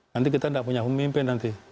nanti kita tidak punya pemimpin nanti